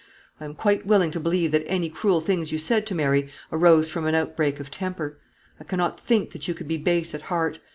I am quite willing to believe that any cruel things you said to Mary arose from an outbreak of temper. I cannot think that you could be base at heart.